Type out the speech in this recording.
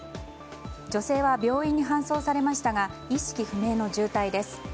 女性は病院に搬送されましたが意識不明の重体です。